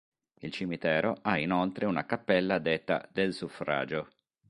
Il cimitero ha inoltre una cappella detta del Suffragio.